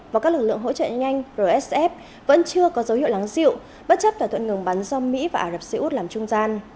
và các lực lượng hỗ trợ nhanh rsf vẫn chưa có dấu hiệu lắng dịu bất chấp thỏa thuận ngừng bắn do mỹ và ả rập xê út làm trung gian